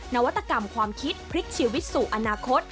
นวัตกรรมความคิดพลิกชีวิตสู่อนาคต